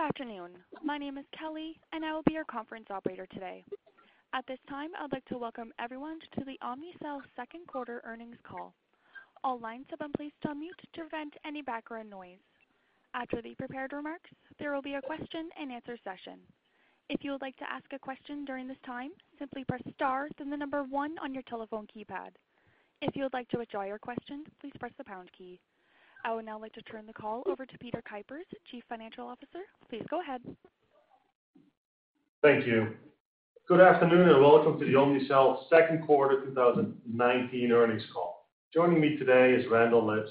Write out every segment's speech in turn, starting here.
Good afternoon. My name is Kelly and I will be your conference operator today. At this time, I'd like to welcome everyone to the Omnicell Second Quarter Earnings Call. All lines have been placed on mute to prevent any background noise. After the prepared remarks, there will be a question and answer session. If you would like to ask a question during this time, simply press star then the number 1 on your telephone keypad. If you would like to withdraw your question, please press the pound key. I would now like to turn the call over to Peter Kuipers, Chief Financial Officer. Please go ahead. Thank you. Good afternoon and welcome to the Omnicell Second Quarter 2019 earnings call. Joining me today is Randall Lipps,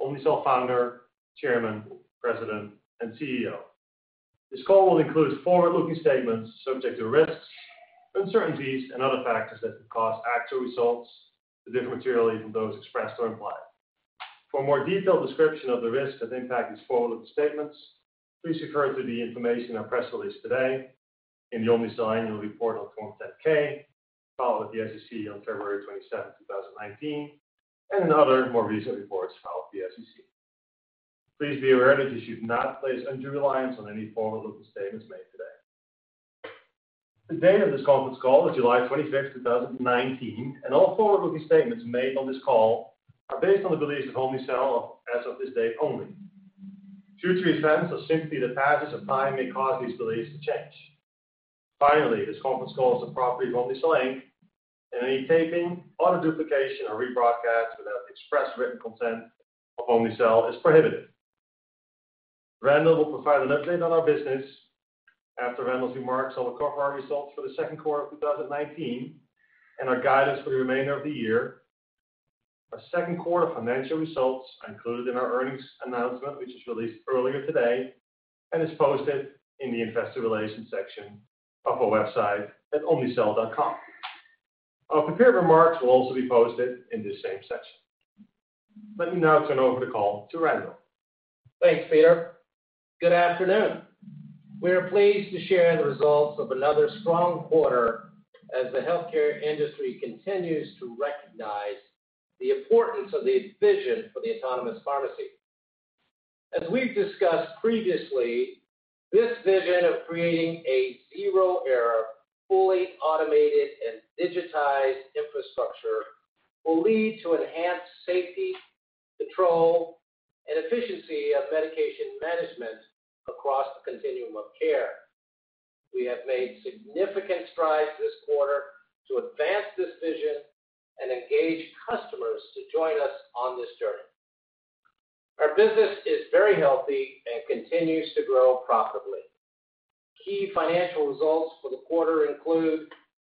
Omnicell Founder, Chairman, President, and CEO. This call will include forward-looking statements subject to risks, uncertainties and other factors that could cause actual results to differ materially from those expressed or implied. For a more detailed description of the risks that impact these forward-looking statements, please refer to the information in our press release today, in the Omnicell Annual Report on Form 10-K, filed with the SEC on February 27th, 2019, and in other more recent reports filed with the SEC. Please be aware that you should not place undue reliance on any forward-looking statements made today. The date of this conference call is July 26th, 2019, and all forward-looking statements made on this call are based on the beliefs of Omnicell as of this date only. Future events or simply the passage of time may cause these beliefs to change. Finally, this conference call is the property of Omnicell, Inc., and any taping or duplication or rebroadcast without the express written consent of Omnicell is prohibited. Randall will provide an update on our business. After Randall's remarks, I will cover our results for the second quarter of 2019 and our guidance for the remainder of the year. Our second quarter financial results are included in our earnings announcement, which was released earlier today and is posted in the investor relations section of our website at omnicell.com. Our prepared remarks will also be posted in this same section. Let me now turn over the call to Randall. Thanks, Peter. Good afternoon. We are pleased to share the results of another strong quarter as the healthcare industry continues to recognize the importance of the vision for the Autonomous Pharmacy. As we've discussed previously, this vision of creating a zero error, fully automated and digitized infrastructure will lead to enhanced safety, control, and efficiency of medication management across the continuum of care. We have made significant strides this quarter to advance this vision and engage customers to join us on this journey. Our business is very healthy and continues to grow profitably. Key financial results for the quarter include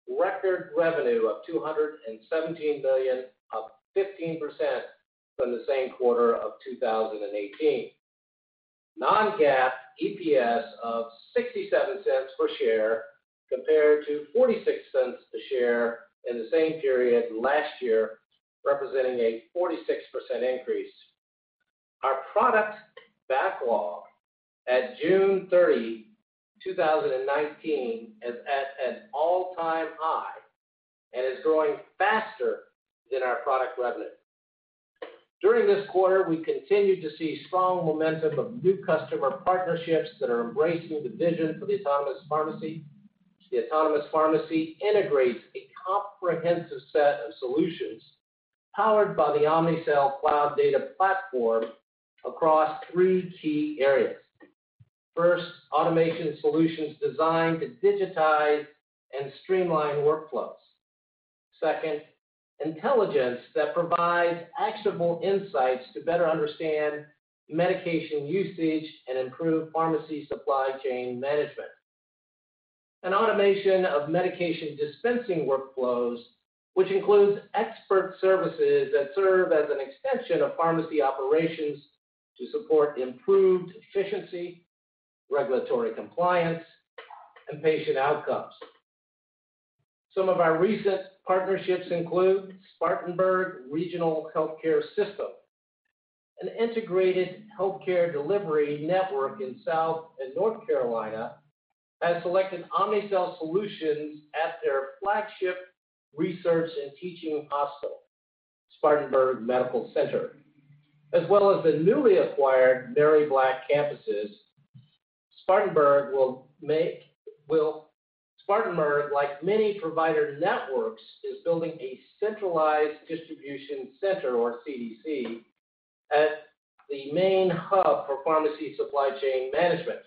record revenue of $217 million, up 15% from the same quarter of 2018. Non-GAAP EPS of $0.67 per share compared to $0.46 a share in the same period last year, representing a 46% increase. Our product backlog at June 30, 2019, is at an all-time high and is growing faster than our product revenue. During this quarter, we continued to see strong momentum of new customer partnerships that are embracing the vision for the Autonomous Pharmacy. The Autonomous Pharmacy integrates a comprehensive set of solutions powered by the Omnicell Cloud Data Platform across three key areas. First, automation solutions designed to digitize and streamline workflows. Second, intelligence that provides actionable insights to better understand medication usage and improve pharmacy supply chain management. Automation of medication dispensing workflows, which includes expert services that serve as an extension of pharmacy operations to support improved efficiency, regulatory compliance, and patient outcomes. Some of our recent partnerships include Spartanburg Regional Healthcare System, an integrated healthcare delivery network in South and North Carolina, has selected Omnicell solutions at their flagship research and teaching hospital, Spartanburg Medical Center, as well as the newly acquired Mary Black campuses. Spartanburg, like many provider networks, is building a centralized distribution center, or CDC, at the main hub for pharmacy supply chain management.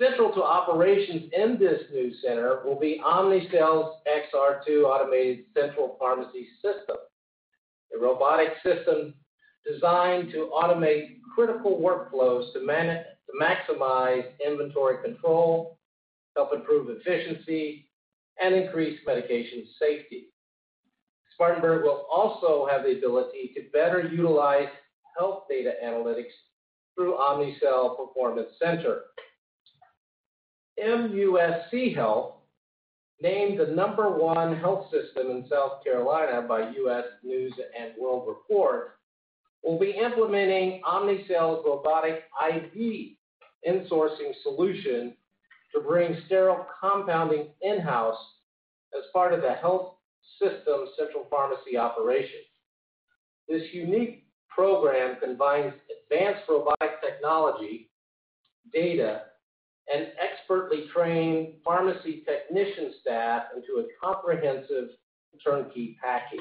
Central to operations in this new center will be Omnicell's XR2 automated central pharmacy system, a robotic system designed to automate critical workflows to maximize inventory control, help improve efficiency, and increase medication safety. Spartanburg will also have the ability to better utilize health data analytics through Omnicell Performance Center. MUSC Health, named the number one health system in South Carolina by U.S. News & World Report, will be implementing Omnicell's robotic IV insourcing solution to bring sterile compounding in-house as part of the health system's central pharmacy operations. This unique program combines advanced robotic technology, data, and expertly trained pharmacy technician staff into a comprehensive turnkey package.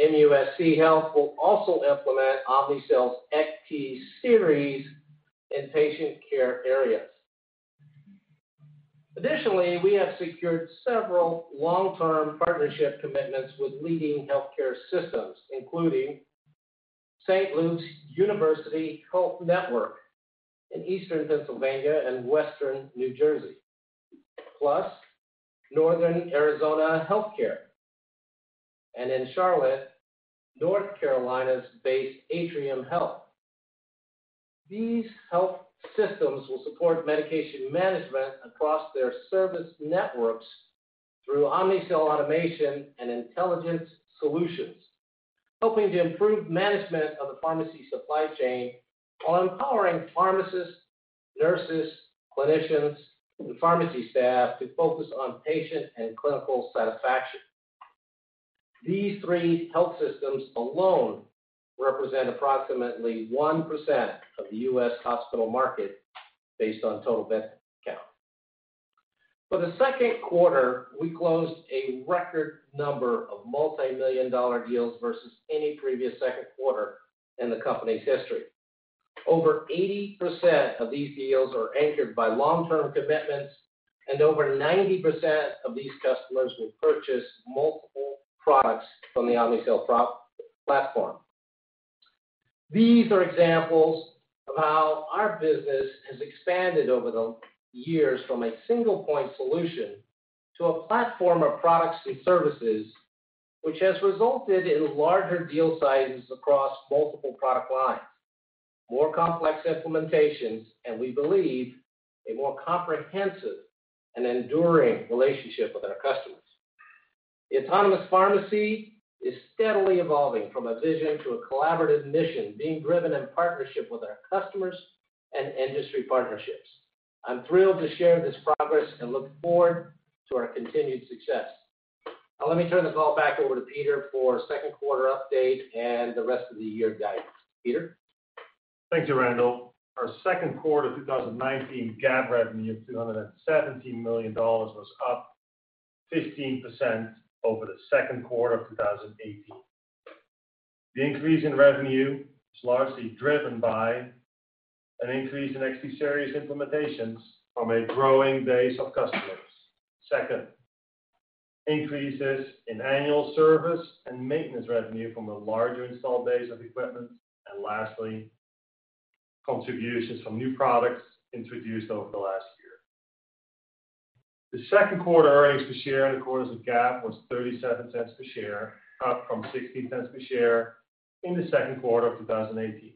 MUSC Health will also implement Omnicell's EC series in patient care areas. Additionally, we have secured several long-term partnership commitments with leading healthcare systems, including St. Luke's University Health Network in eastern Pennsylvania and western New Jersey, plus Northern Arizona Healthcare, and in Charlotte, North Carolina's based Atrium Health. These health systems will support medication management across their service networks through Omnicell automation and intelligence solutions, helping to improve management of the pharmacy supply chain while empowering pharmacists, nurses, clinicians, and pharmacy staff to focus on patient and clinical satisfaction. These three health systems alone represent approximately 1% of the U.S. hospital market based on total bed count. For the second quarter, we closed a record number of multimillion-dollar deals versus any previous second quarter in the company's history. Over 80% of these deals are anchored by long-term commitments, and over 90% of these customers will purchase multiple products from the Omnicell platform. These are examples of how our business has expanded over the years from a single point solution to a platform of products and services, which has resulted in larger deal sizes across multiple product lines, more complex implementations, and we believe a more comprehensive and enduring relationship with our customers. The Autonomous Pharmacy is steadily evolving from a vision to a collaborative mission being driven in partnership with our customers and industry partnerships. I'm thrilled to share this progress and look forward to our continued success. Now let me turn the call back over to Peter for second quarter update and the rest of the year guidance. Peter? Thank you, Randall. Our second quarter 2019 GAAP revenue of $217 million was up 15% over the second quarter of 2018. The increase in revenue is largely driven by an increase in EC series implementations from a growing base of customers. Second, increases in annual service and maintenance revenue from a larger install base of equipment, and lastly, contributions from new products introduced over the last year. The second quarter earnings per share in accordance with GAAP was $0.37 per share, up from $0.16 per share in the second quarter of 2018.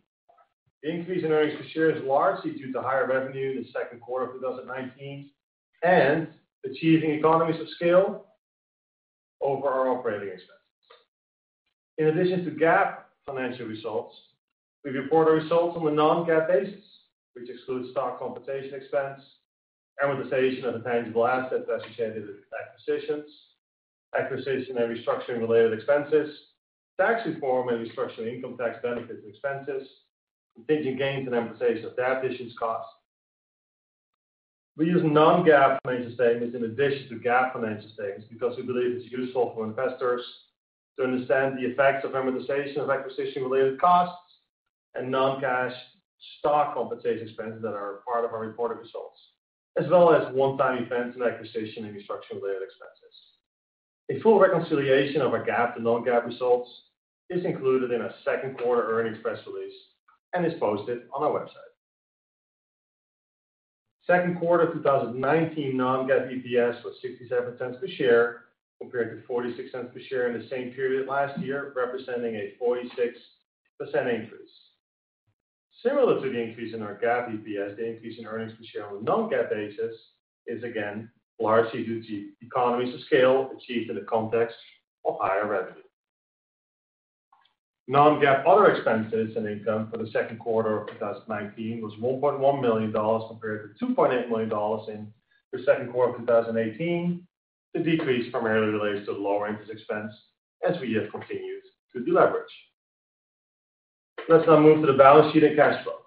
The increase in earnings per share is largely due to higher revenue in the second quarter of 2019 and achieving economies of scale over our operating expenses. In addition to GAAP financial results, we report our results on a non-GAAP basis, which excludes stock compensation expense, amortization of intangible assets associated with acquisitions, acquisition and restructuring-related expenses, tax reform and restructuring income tax benefits and expenses, contingent gains and amortization of debt issuance costs. We use non-GAAP financial statements in addition to GAAP financial statements because we believe it's useful for investors to understand the effects of amortization of acquisition related costs and non-cash stock compensation expenses that are part of our reported results, as well as one-time events and acquisition and restructuring-related expenses. A full reconciliation of our GAAP to non-GAAP results is included in our second quarter earnings press release and is posted on our website. Second quarter 2019 non-GAAP EPS was $0.67 per share, compared to $0.46 per share in the same period last year, representing a 46% increase. Similar to the increase in our GAAP EPS, the increase in earnings per share on a non-GAAP basis is again largely due to economies of scale achieved in the context of higher revenue. Non-GAAP other expenses and income for the second quarter of 2019 was $1.1 million, compared to $2.8 million in the second quarter of 2018. The decrease primarily relates to the lower interest expense as we have continued to deleverage. Let's now move to the balance sheet and cash flow.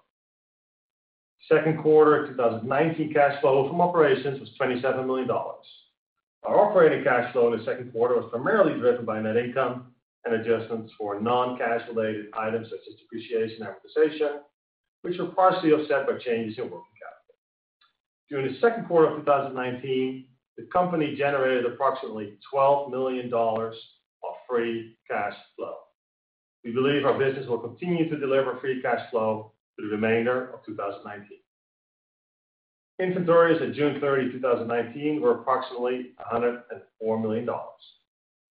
Second quarter 2019 cash flow from operations was $27 million. Our operating cash flow in the second quarter was primarily driven by net income and adjustments for non-cash related items such as depreciation and amortization, which were partially offset by changes in working capital. During the second quarter of 2019, the company generated approximately $12 million of free cash flow. We believe our business will continue to deliver free cash flow through the remainder of 2019. Inventories at June 30, 2019, were approximately $104 million,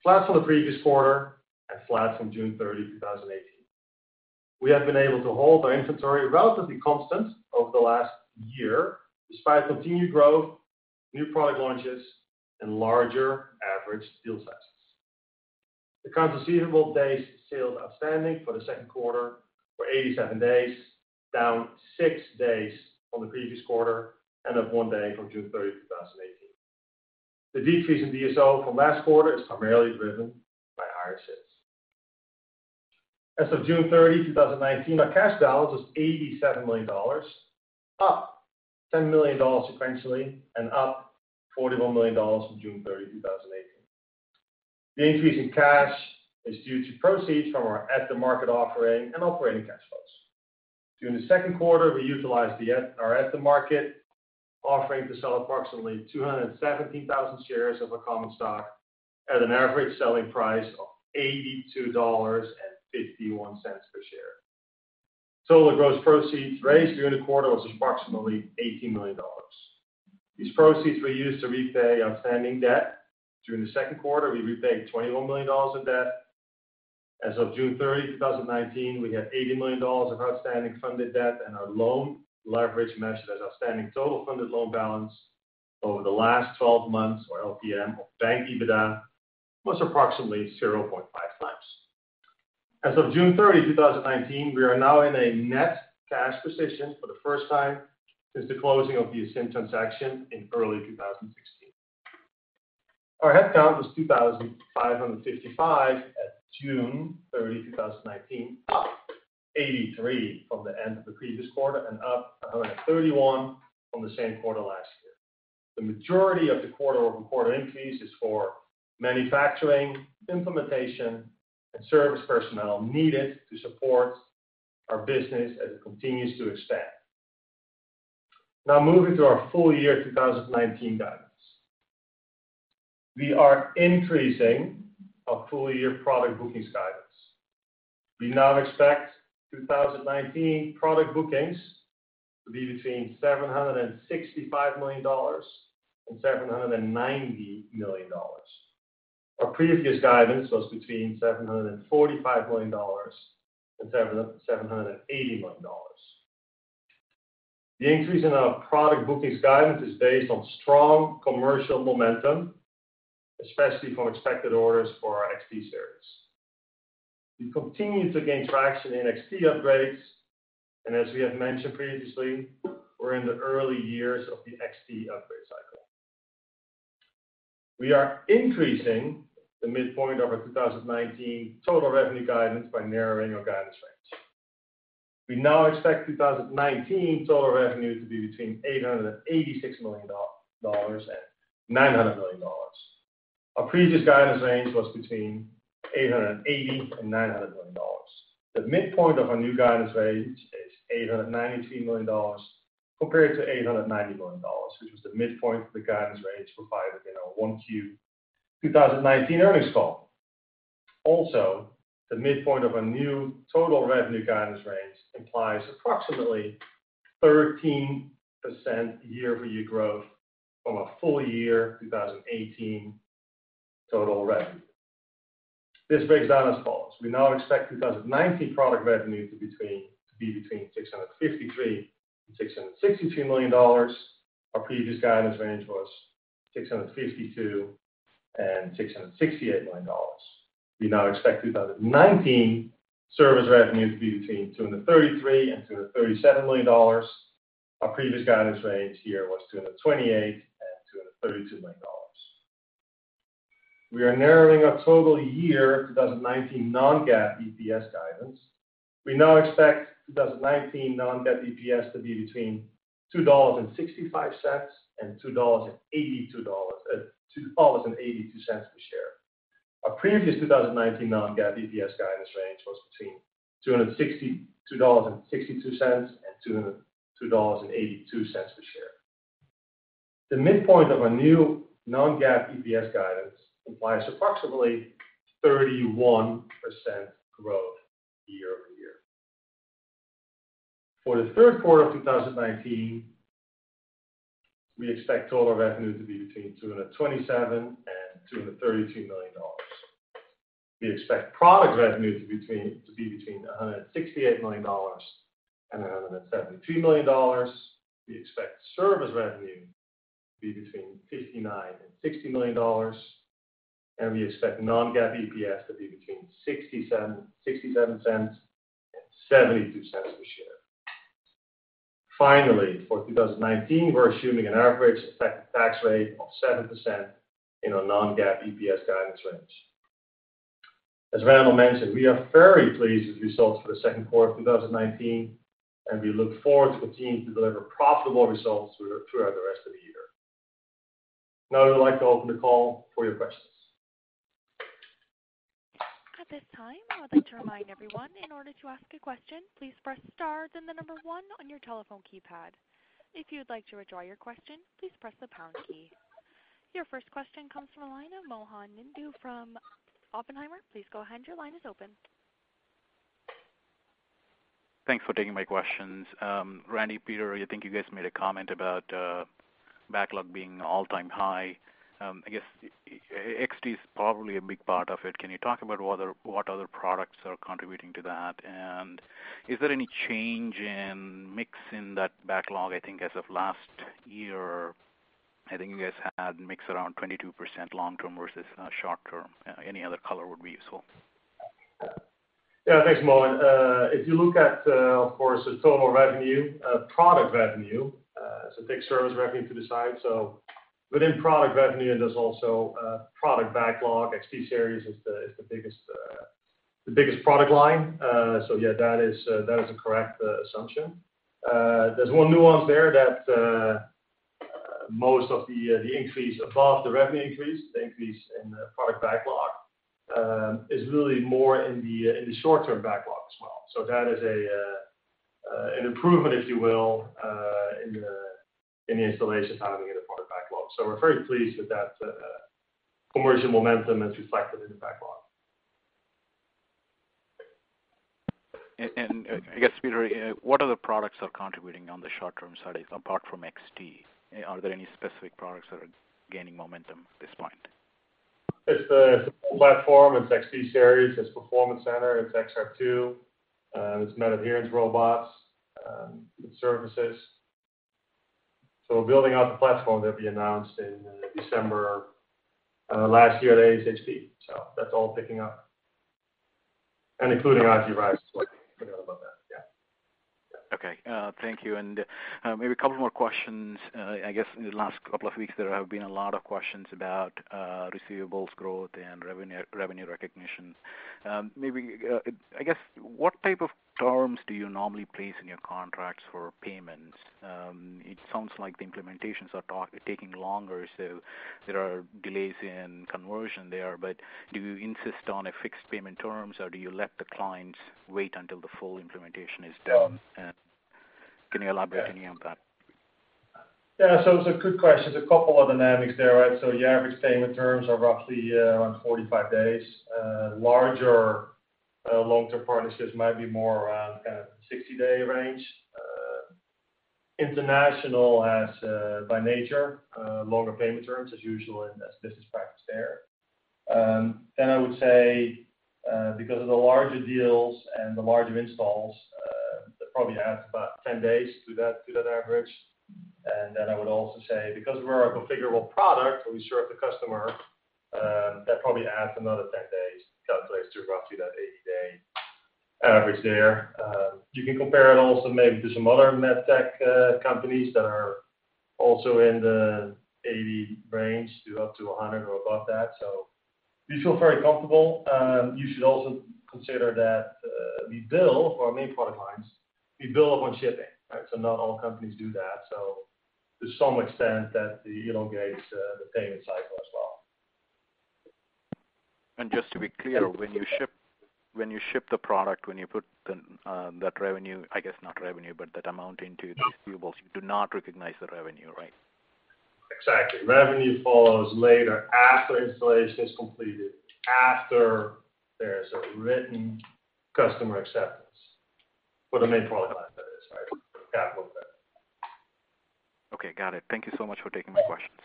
flat for the previous quarter and flat from June 30, 2018. We have been able to hold our inventory relatively constant over the last year despite continued growth, new product launches, and larger average deal sizes. Accounts receivable days sales outstanding for the second quarter were 87 days, down six days from the previous quarter and up one day from June 30, 2018. The decrease in DSO from last quarter is primarily driven by higher sales. As of June 30, 2019, our cash balance was $87 million, up $10 million sequentially and up $41 million from June 30, 2018. The increase in cash is due to proceeds from our at-the-market offering and operating cash flows. During the second quarter, we utilized our at-the-market offering to sell approximately 217,000 shares of our common stock at an average selling price of $82.51 per share. Total gross proceeds raised during the quarter was approximately $18 million. These proceeds were used to repay outstanding debt. During the second quarter, we repaid $21 million of debt. As of June 30, 2019, we had $80 million of outstanding funded debt, and our loan leverage measured as outstanding total funded loan balance over the last 12 months or LTM of bank EBITDA was approximately 0.5 times. As of June 30, 2019, we are now in a net cash position for the first time since the closing of the Aesynt transaction in early 2016. Our headcount was 2,555 at June 30, 2019, up 83 from the end of the previous quarter and up 131 from the same quarter last year. The majority of the quarter-over-quarter increase is for manufacturing, implementation, and service personnel needed to support our business as it continues to expand. Moving to our full year 2019 guidance. We are increasing our full-year product bookings guidance. We now expect 2019 product bookings to be between $765 million and $790 million. Our previous guidance was between $745 million and $780 million. The increase in our product bookings guidance is based on strong commercial momentum, especially from expected orders for our XT Series. We continue to gain traction in XT upgrades, and as we have mentioned previously, we're in the early years of the XT upgrade cycle. We are increasing the midpoint of our 2019 total revenue guidance by narrowing our guidance range. We now expect 2019 total revenue to be between $886 million and $900 million. Our previous guidance range was between $880 and $900 million. The midpoint of our new guidance range is $893 million compared to $890 million, which was the midpoint of the guidance range provided in our 1Q 2019 earnings call. The midpoint of our new total revenue guidance range implies approximately 13% year-over-year growth from our full year 2018 total revenue. This breaks down as follows. We now expect 2019 product revenue to be between $653 million and $662 million. Our previous guidance range was $652 million and $668 million. We now expect 2019 service revenue to be between $233 million and $237 million. Our previous guidance range here was $228 million and $232 million. We are narrowing our total year 2019 non-GAAP EPS guidance. We now expect 2019 non-GAAP EPS to be between $2.65 and $2.82 per share. Our previous 2019 non-GAAP EPS guidance range was between $2.62 and $2.82 per share. The midpoint of our new non-GAAP EPS guidance implies approximately 31% growth year-over-year. For the third quarter of 2019, we expect total revenue to be between $227 million and $232 million. We expect product revenue to be between $168 million and $173 million. We expect service revenue to be between $59 million and $60 million, and we expect non-GAAP EPS to be between $0.67 and $0.72 per share. Finally, for 2019, we're assuming an average effective tax rate of 7% in our non-GAAP EPS guidance range. As Randall mentioned, we are very pleased with the results for the second quarter of 2019, and we look forward to continuing to deliver profitable results throughout the rest of the year. Now I'd like to open the call for your questions. At this time, I'd like to remind everyone, in order to ask a question, please press star then the number one on your telephone keypad. If you'd like to withdraw your question, please press the pound key. Your first question comes from the line of Mohan Naidu from Oppenheimer. Please go ahead, your line is open. Thanks for taking my questions. Randy, Peter, I think you guys made a comment about backlog being all-time high. I guess XT is probably a big part of it. Can you talk about what other products are contributing to that? Is there any change in mix in that backlog? I think as of last year, I think you guys had mix around 22% long-term versus short-term. Any other color would be useful. Yeah. Thanks, Mohan. You look at, of course, the total revenue, product revenue, take service revenue to the side. Within product revenue, there's also product backlog, XT Series is the biggest product line. Yeah, that is a correct assumption. There's one nuance there that most of the increase above the revenue increase, the increase in the product backlog, is really more in the short-term backlog as well. That is an improvement, if you will, in the installation timing in the product backlog. We're very pleased with that conversion momentum as reflected in the backlog. I guess, Peter, what other products are contributing on the short-term side apart from XT? Are there any specific products that are gaining momentum at this point? It's the whole platform. It's XT Series, it's Performance Center, it's XR2, it's Med-Adherence Robots, it's services. We're building out the platform that we announced in December last year at ASHP. Including IVRISE, forgot about that. Yeah. Okay. Thank you. Maybe a couple more questions. I guess in the last couple of weeks, there have been a lot of questions about receivables growth and revenue recognition. I guess, what type of terms do you normally place in your contracts for payments? It sounds like the implementations are taking longer, there are delays in conversion there, do you insist on a fixed payment terms, or do you let the clients wait until the full implementation is done? Can you elaborate any on that? It's a good question. There's a couple of dynamics there. Your average payment terms are roughly around 45 days. Larger long-term partnerships might be more around 60-day range. International has, by nature, longer payment terms as usual, and that's business practice there. I would say, because of the larger deals and the larger installs, that probably adds about 10 days to that average. I would also say, because we're a configurable product, when we serve the customer, that probably adds another 10 days, calculates to roughly that 80-day average there. You can compare it also maybe to some other med tech companies that are also in the 80 range to up to 100 or above that. We feel very comfortable. You should also consider that we bill for our main product lines. We bill upon shipping. Not all companies do that. To some extent, that elongates the payment cycle as well. Just to be clear, when you ship the product, when you put that revenue, I guess not revenue, but that amount into receivables, you do not recognize the revenue, right? Exactly. Revenue follows later after installation is completed, after there is a written customer acceptance. For the main product line, that is. For capital goods. Okay, got it. Thank you so much for taking my questions.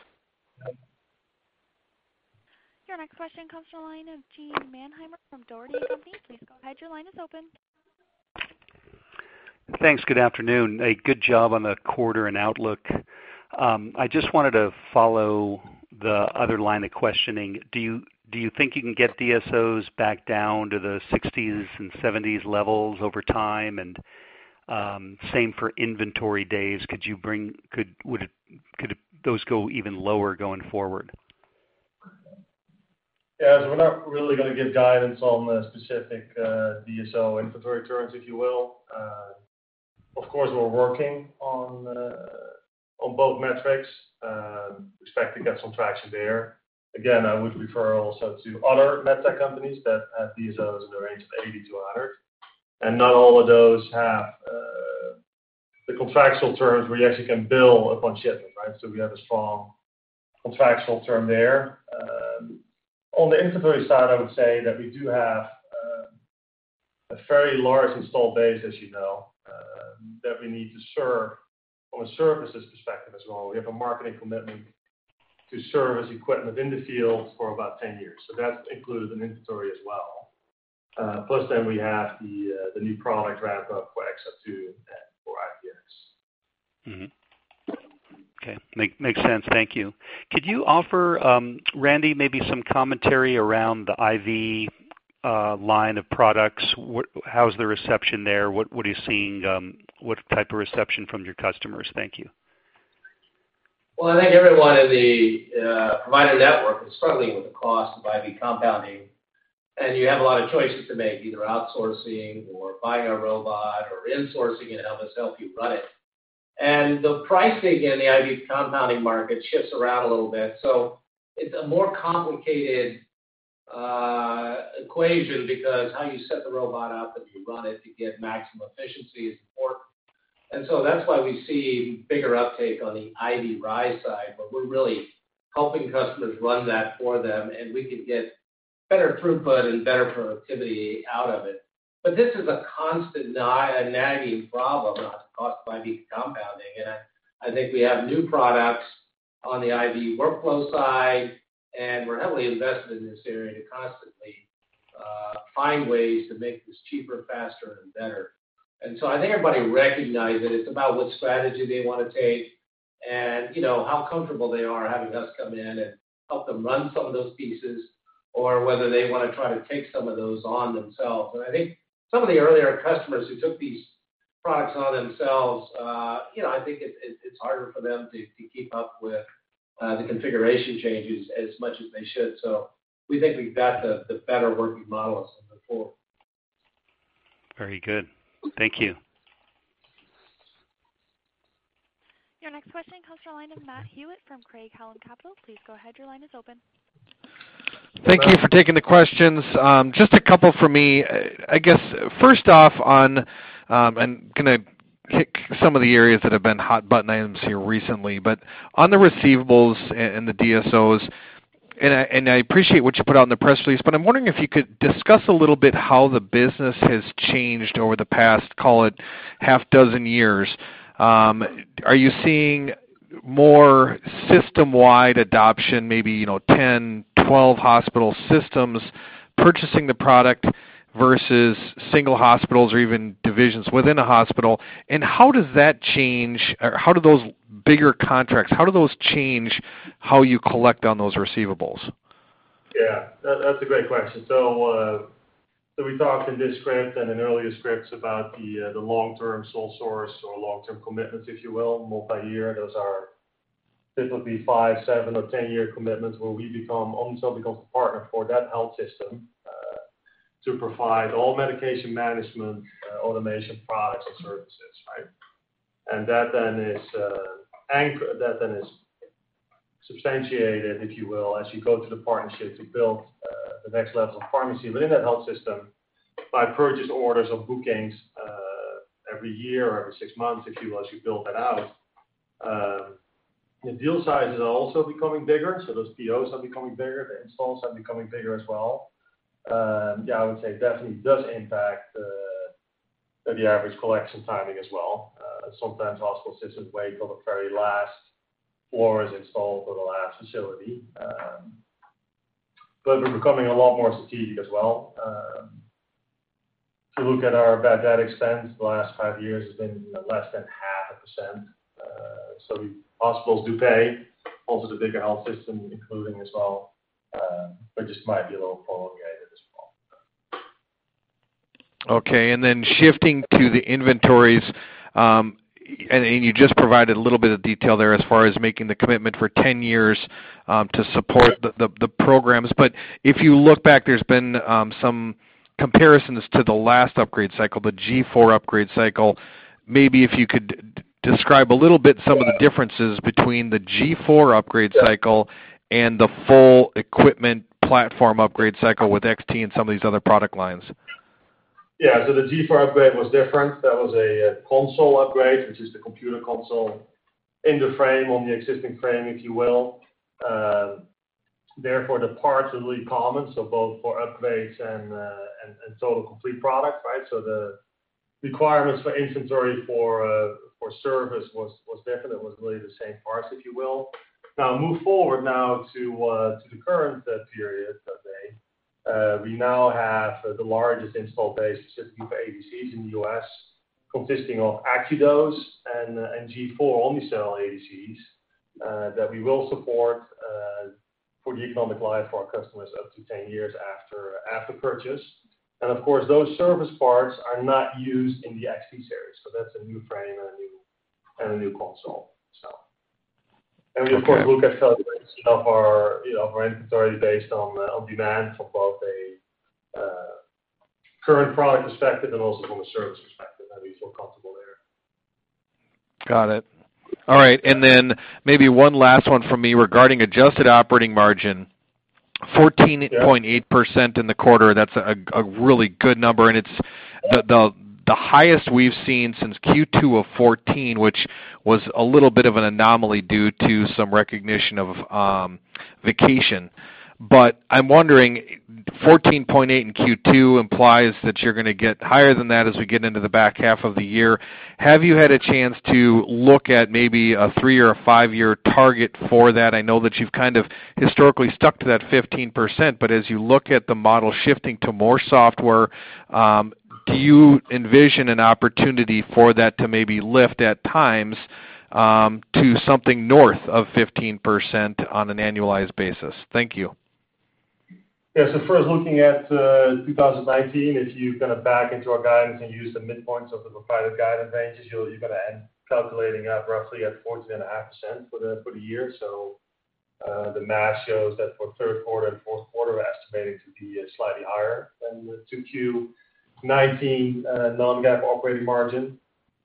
Your next question comes from the line of Eugene Mannheimer from Dougherty & Company. Please go ahead, your line is open. Thanks. Good afternoon. A good job on the quarter and outlook. I just wanted to follow the other line of questioning. Do you think you can get DSOs back down to the 60s and 70s levels over time? Same for inventory days. Could those go even lower going forward? Yeah. We're not really going to give guidance on the specific DSO inventory turns, if you will. Of course, we're working on both metrics. Expect to get some traction there. Again, I would refer also to other med tech companies that have DSOs in the range of 80-100. Not all of those have the contractual terms where you actually can bill upon shipping. We have a strong contractual term there. On the inventory side, I would say that we do have a very large installed base, as you know, that we need to serve from a services perspective as well. We have a marketing commitment to service equipment within the field for about 10 years. That includes an inventory as well. Plus then we have the new product ramp-up for XR2 and for IVX. Okay. Makes sense. Thank you. Could you offer, Randy, maybe some commentary around the IV line of products? How's the reception there? What are you seeing? What type of reception from your customers? Thank you. Well, I think everyone in the provider network is struggling with the cost of IV compounding. You have a lot of choices to make, either outsourcing or buying a robot or insourcing and have us help you run it. The pricing in the IV compounding market shifts around a little bit. It's a more complicated equation because how you set the robot up, if you run it, you get maximum efficiency is important. That's why we see bigger uptake on the IVRI side. We're really helping customers run that for them, and we can get better throughput and better productivity out of it. This is a constant nagging problem around the cost of IV compounding, and I think we have new products on the IV workflow side, and we're heavily invested in this area to constantly find ways to make this cheaper, faster, and better. I think everybody recognizes it. It's about what strategy they want to take. How comfortable they are having us come in and help them run some of those pieces, or whether they want to try to take some of those on themselves. I think some of the earlier customers who took these products on themselves, I think it's harder for them to keep up with the configuration changes as much as they should. We think we've got the better working model going forward. Very good. Thank you. Your next question comes from the line of Matt Hewitt from Craig-Hallum Capital. Please go ahead. Your line is open. Thank you for taking the questions. Just a couple from me. I guess, first off on, and I'm going to pick some of the areas that have been hot-button items here recently, but on the receivables and the DSOs, and I appreciate what you put out in the press release, but I'm wondering if you could discuss a little bit how the business has changed over the past, call it half dozen years. Are you seeing more system-wide adoption, maybe 10, 12 hospital systems purchasing the product versus single hospitals or even divisions within a hospital? How do those bigger contracts change how you collect on those receivables? That's a great question. We talked in this script and in earlier scripts about the long-term sole source or long-term commitments, if you will, multi-year. Those are typically 5, 7, or 10-year commitments where Omnicell becomes a partner for that health system to provide all medication management automation products and services. That then is substantiated, if you will, as you go through the partnership to build the next level of pharmacy within that health system by purchase orders or bookings every year or every 6 months, if you will, as you build that out. The deal sizes are also becoming bigger, so those POs are becoming bigger. The installs are becoming bigger as well. I would say it definitely does impact the average collection timing as well. Sometimes hospital systems wait till the very last floor is installed or the last facility. We're becoming a lot more strategic as well. If you look at our bad debt expense, the last five years has been less than half a %. Hospitals do pay. Also the bigger health system including as well, but just might be a little prolonged at this point. Shifting to the inventories, and you just provided a little bit of detail there as far as making the commitment for 10 years to support the programs. If you look back, there's been some comparisons to the last upgrade cycle, the G4 upgrade cycle. Maybe if you could describe a little bit some of the differences between the G4 upgrade cycle and the full equipment platform upgrade cycle with XT and some of these other product lines. Yeah. The G4 upgrade was different. That was a console upgrade, which is the computer console in the frame, on the existing frame, if you will. Therefore, the parts are really common, both for upgrades and total complete product. The requirements for inventory for service was really the same parts if you will. Move forward now to the current period, per se. We now have the largest install base of ADCs in the U.S. consisting of AcuDose and G4 Omnicell ADCs, that we will support for the economic life of our customers up to 10 years after purchase. Of course, those service parts are not used in the XT Series, so that's a new frame and a new console. Okay. We of course look at our inventory based on demand from both a current product perspective and also from a service perspective, and we feel comfortable there. Got it. All right, maybe one last one from me regarding adjusted operating margin. 14.8% in the quarter, that's a really good number, and it's the highest we've seen since Q2 of 2014, which was a little bit of an anomaly due to some recognition of vacation. I'm wondering, 14.8% in Q2 implies that you're going to get higher than that as we get into the back half of the year. Have you had a chance to look at maybe a three or a five-year target for that? I know that you've kind of historically stuck to that 15%, as you look at the model shifting to more software, do you envision an opportunity for that to maybe lift at times to something north of 15% on an annualized basis? Thank you. Yeah. First looking at 2019, if you kind of back into our guidance and use the midpoints of the provided guidance ranges, you're going to end calculating at roughly 14.5% for the year. The math shows that for third quarter and fourth quarter, we're estimating to be slightly higher than the 2Q19 non-GAAP operating margin.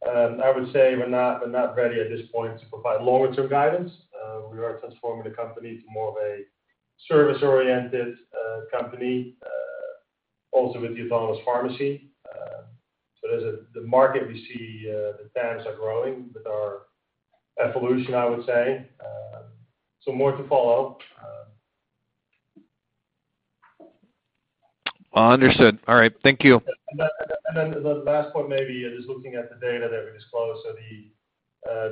I would say we're not ready at this point to provide longer-term guidance. We are transforming the company to more of a service-oriented company, also with the Autonomous Pharmacy. The market, we see the demands are growing with our evolution, I would say. More to follow. Understood. All right. Thank you. The last point maybe is looking at the data that we disclosed.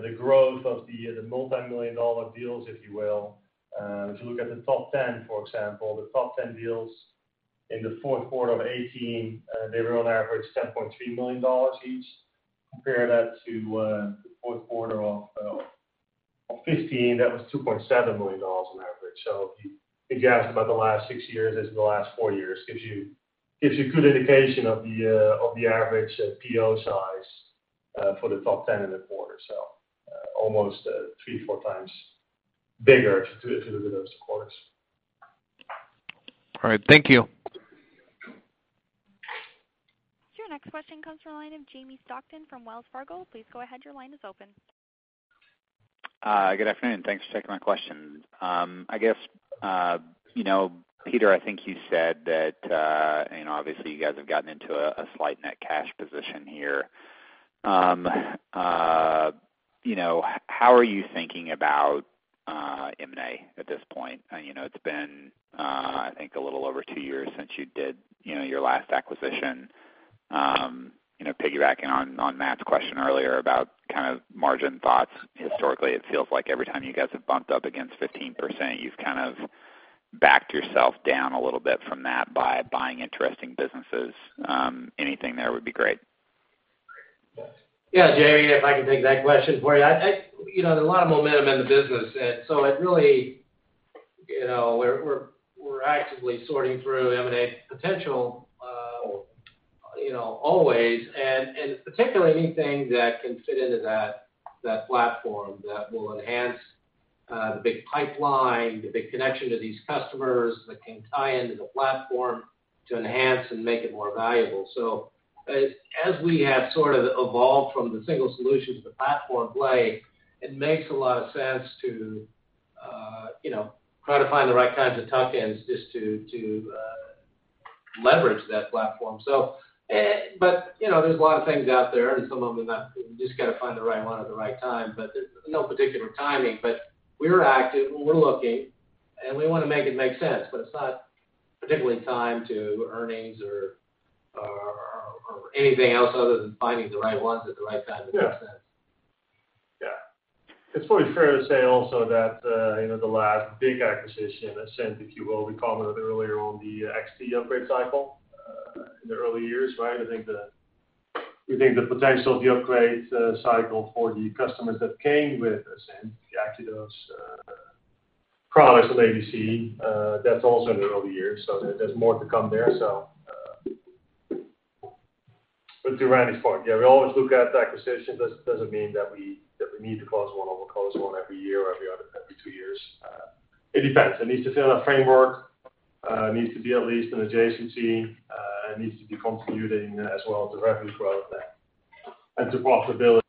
The growth of the multimillion-dollar deals, if you will. If you look at the top 10, for example, the top 10 deals in the fourth quarter of 2018, they were on average $10.3 million each. Compare that to the fourth quarter of 2015, that was $2.7 million on average. If you think about the last six years as the last four years, gives you a good indication of the average PO size for the top 10 in the quarter. Almost three to four times bigger to look at those quarters. All right. Thank you. Your next question comes from the line of Jamie Stockton from Wells Fargo. Please go ahead. Your line is open. Good afternoon. Thanks for taking my question. Peter, I think you said that, obviously you guys have gotten into a slight net cash position here. How are you thinking about M&A at this point? It's been, I think, a little over two years since you did your last acquisition. Piggybacking on Matt's question earlier about margin thoughts. Historically, it feels like every time you guys have bumped up against 15%, you've backed yourself down a little bit from that by buying interesting businesses. Anything there would be great. Yeah, Jamie, if I can take that question for you. There's a lot of momentum in the business, we're actively sorting through M&A potential always, and particularly anything that can fit into that platform that will enhance the big pipeline, the big connection to these customers that can tie into the platform to enhance and make it more valuable. As we have sort of evolved from the single solutions to platform play, it makes a lot of sense to try to find the right kinds of tuck-ins just to leverage that platform. There's a lot of things out there. You just got to find the right one at the right time, there's no particular timing. We're active, we're looking, and we want to make it make sense. It's not particularly time to earnings or anything else other than finding the right ones at the right time to make sense. Yeah. It's probably fair to say also that the last big acquisition, Aesynt, if you will, we called it earlier on the XT upgrade cycle in the early years. We think the potential of the upgrade cycle for the customers that came with Aesynt, the AcuDose-Rx products and ABC, that's also in the early years. There's more to come there. To Randy's point, yeah, we always look at acquisitions. Doesn't mean that we need to close one or we'll close one every year or every two years. It depends. It needs to fit our framework, needs to be at least an adjacency, and needs to be contributing as well to revenue growth and to profitability.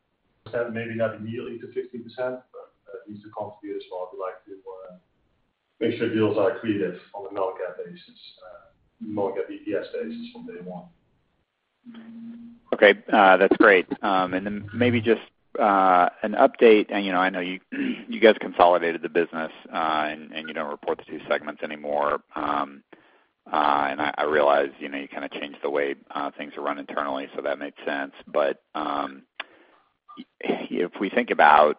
Maybe not immediately to 15%, but it needs to contribute as well. We like to make sure deals are accretive on a market EPS basis from day one. Okay, that's great. Maybe just an update, I know you guys consolidated the business, you don't report the two segments anymore. I realize you changed the way things are run internally, that makes sense. If we think about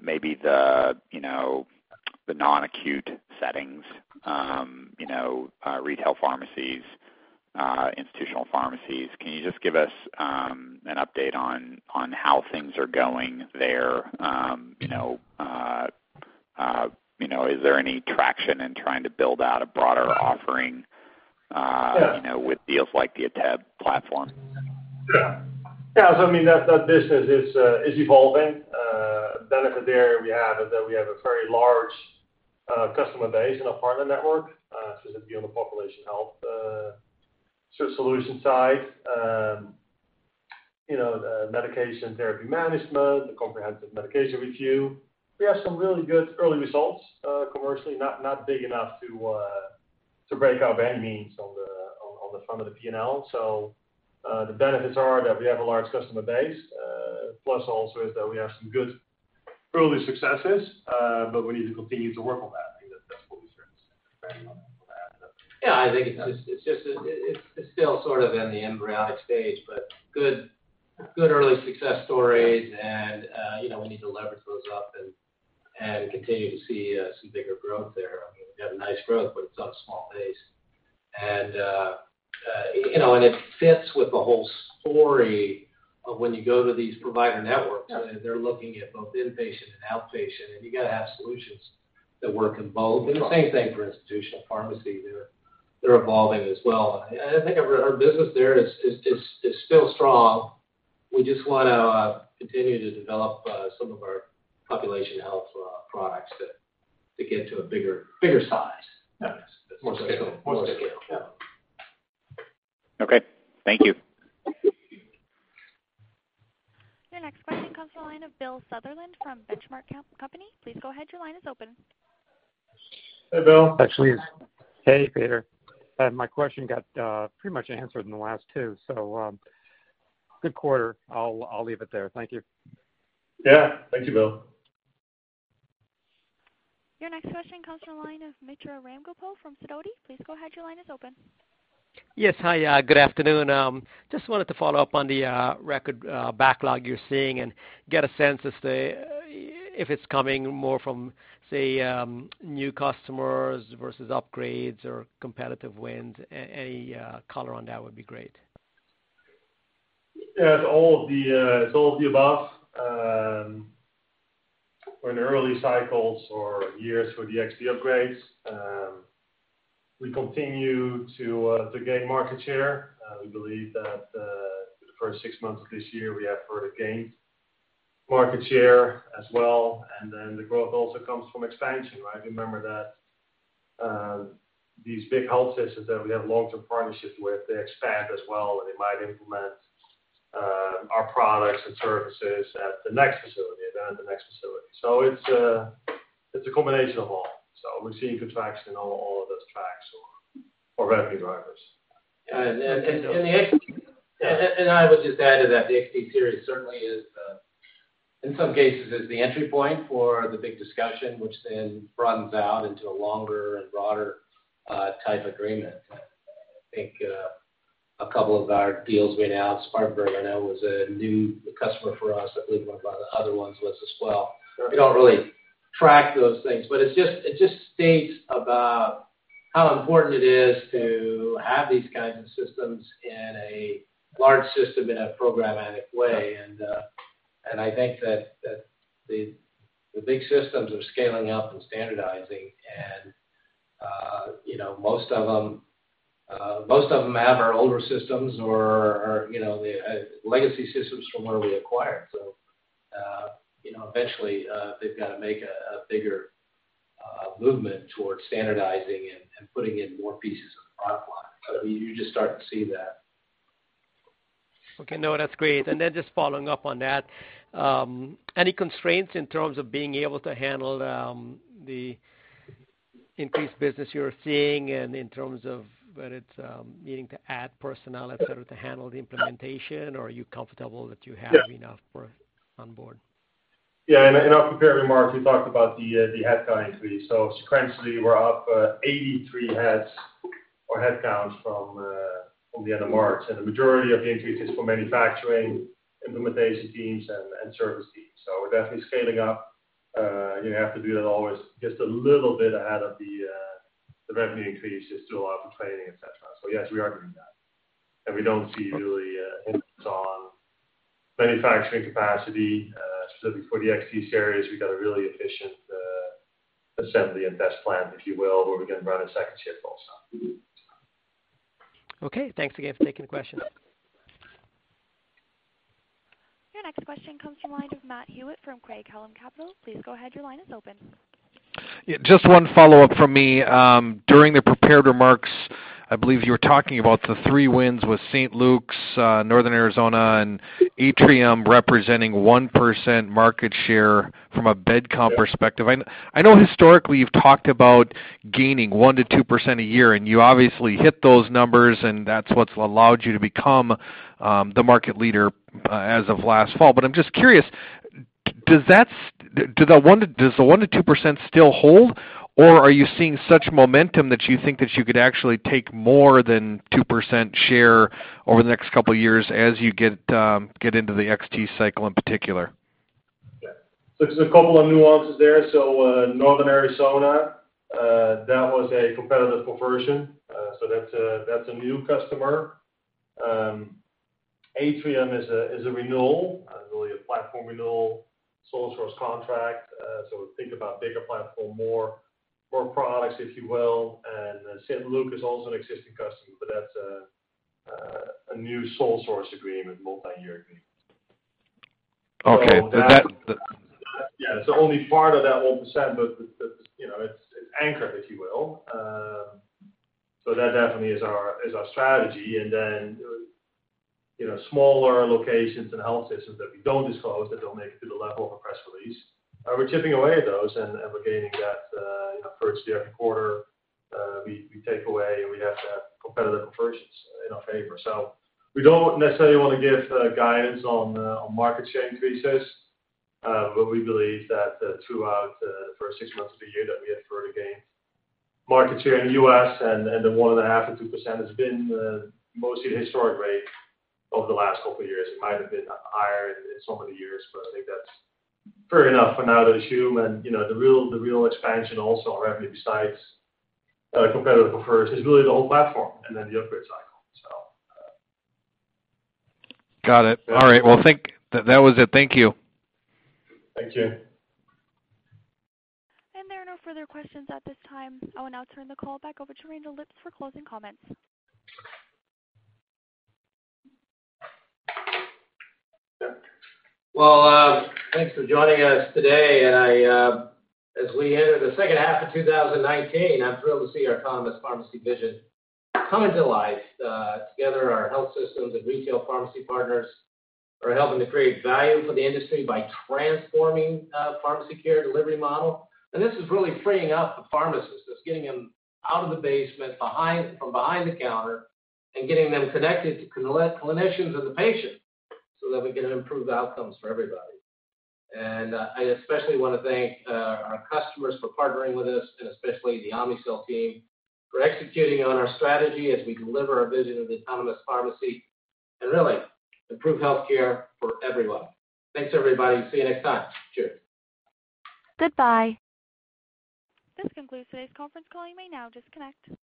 maybe the non-acute settings, retail pharmacies, institutional pharmacies, can you just give us an update on how things are going there? Is there any traction in trying to build out a broader offering with deals like the Ateb platform? I mean, that business is evolving. Benefit there we have is that we have a very large customer base in the pharma network, specifically on the population health solution side, the medication therapy management, the comprehensive medication review. We have some really good early results commercially, not big enough to break out by any means on the front of the P&L. The benefits are that we have a large customer base. Plus also is that we have some good early successes, but we need to continue to work on that. I think that that's what we've seen so far on that. I think it's still sort of in the embryonic stage, but good early success stories and we need to leverage those up and continue to see some bigger growth there. We've got a nice growth, but it's on a small base. It fits with the whole story of when you go to these provider networks and they're looking at both inpatient and outpatient, and you got to have solutions that work in both. The same thing for institutional pharmacy. They're evolving as well. I think our business there is still strong. We just want to continue to develop some of our population health products to get to a bigger size. Yes. More scale. More scale. Yeah. Okay. Thank you. Your next question comes from the line of Bill Sutherland from Benchmark Company. Please go ahead. Your line is open. Hey, Bill. Actually, hey, Peter. My question got pretty much answered in the last two. Good quarter. I'll leave it there. Thank you. Yeah. Thank you, Bill. Your next question comes from the line of Mitra Ramgopal from Sidoti. Please go ahead. Your line is open. Yes. Hi, good afternoon. Just wanted to follow up on the record backlog you're seeing and get a sense as to if it's coming more from, say, new customers versus upgrades or competitive wins. Any color on that would be great. It's all of the above. We're in the early cycles or years for the XT upgrades. We continue to gain market share. We believe that for the first six months of this year, we have further gained market share as well, and then the growth also comes from expansion, right? Remember that these big health systems that we have long-term partnerships with, they expand as well, and they might implement our products and services at the next facility, and then the next facility. It's a combination of all. We're seeing good traction on all of those tracks or revenue drivers. The XT, I would just add to that, the XT Series certainly is, in some cases, is the entry point for the big discussion, which then broadens out into a longer and broader type agreement. I think a couple of our deals right now, Spartanburg I know was a new customer for us. I believe one of our other ones was as well. Sure. We don't really track those things. It just states about how important it is to have these kinds of systems in a large system, in a programmatic way. I think that the big systems are scaling up and standardizing, and most of them have our older systems or the legacy systems from when we acquired. Eventually, they've got to make a bigger movement towards standardizing and putting in more pieces of the product line. You're just starting to see that. Okay. No, that's great. Then just following up on that, any constraints in terms of being able to handle the increased business you're seeing and in terms of whether it's needing to add personnel, et cetera, to handle the implementation, or are you comfortable that you have? Yeah enough work on board? Yeah, in our prepared remarks, we talked about the headcount increase. Sequentially, we're up 83 heads or headcounts from the end of March, and the majority of the increase is from manufacturing, implementation teams, and service teams. We're definitely scaling up. You have to do that always just a little bit ahead of the revenue increase just to allow for training, et cetera. Yes, we are doing that, and we don't see really a hindrance on manufacturing capacity, specifically for the XT Series. We've got a really efficient assembly and test plant, if you will, where we can run a second shift also. Okay, thanks again for taking the question. Your next question comes from the line of Matt Hewitt from Craig-Hallum Capital. Please go ahead, your line is open. Yeah, just one follow-up from me. During the prepared remarks, I believe you were talking about the three wins with St. Luke's, Northern Arizona, and Atrium representing 1% market share. Yeah bed comp perspective. I know historically you've talked about gaining 1%-2% a year, and you obviously hit those numbers, and that's what's allowed you to become the market leader as of last fall. I'm just curious, does the 1%-2% still hold, or are you seeing such momentum that you think that you could actually take more than 2% share over the next couple of years as you get into the XT cycle in particular? Yeah. There's a couple of nuances there. Northern Arizona, that was a competitive conversion. That's a new customer. Atrium is a renewal, really a platform renewal, sole source contract. Think about bigger platform, more products, if you will. St. Luke is also an existing customer, but that's a new sole source agreement, multi-year agreement. Okay. Yeah. It's only part of that 1%, but it's anchored, if you will. That definitely is our strategy. Smaller locations and health systems that we don't disclose, that don't make it to the level of a press release, we're chipping away at those and we're gaining that first year. Every quarter, we take away and we have competitive conversions in our favor. We don't necessarily want to give guidance on market share increases. We believe that throughout the first six months of the year, that we have further gained market share in the U.S., and the 1.5%-2% has been mostly the historic rate over the last couple of years. It might have been higher in some of the years, I think that's fair enough for now to assume. The real expansion also on revenue besides competitive converts is really the whole platform and then the upgrade cycle. Got it. All right. Well, that was it. Thank you. Thank you. There are no further questions at this time. I will now turn the call back over to Randall Lipps for closing comments. Well, thanks for joining us today. As we enter the second half of 2019, I'm thrilled to see our Autonomous Pharmacy vision come into life. Together, our health systems and retail pharmacy partners are helping to create value for the industry by transforming pharmacy care delivery model. This is really freeing up the pharmacist. It's getting them out of the basement, from behind the counter, and getting them connected to clinicians and the patient, so that we get improved outcomes for everybody. I especially want to thank our customers for partnering with us, and especially the Omnicell team for executing on our strategy as we deliver our vision of the Autonomous Pharmacy and really improve healthcare for everyone. Thanks, everybody. See you next time. Cheers. Goodbye. This concludes today's conference call. You may now disconnect.